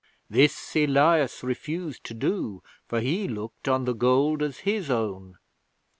This Elias refused to do, for he looked on the gold as his own.